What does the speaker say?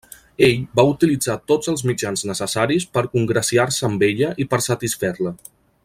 Ell va utilitzar tots els mitjans necessaris per congraciar-se amb ella i per satisfer-la.